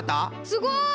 すごい！